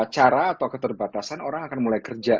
cara atau keterbatasan orang akan mulai kerja